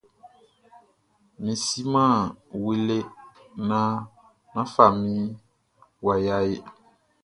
Mʼsiman wlele nan fami waya ehe.